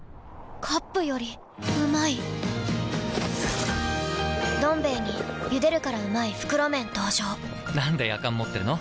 カップよりうまい「どん兵衛」に「ゆでるからうまい！袋麺」登場なんでやかん持ってるの？